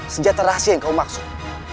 senjata rahasia yang kau maksud